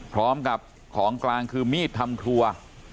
พร้อมกับของกลางคือมีดทำครัว